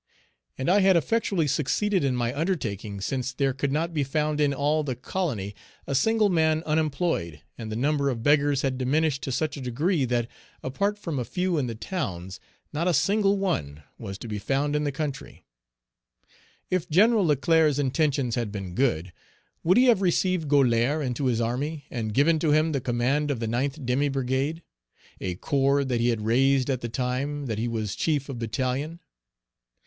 And I had effectually succeeded in my undertaking, since there could not be found in all the colony a single man unemployed, and the number of beggars had diminished to such a degree that, apart from a few in the towns, not a single one was to be found in the country. If Gen. Leclerc's intentions had been good, would he have received Golart into his army, and given to him the command of the 9th demi brigade, a corps that he had raised at the time that he was chief of battalion?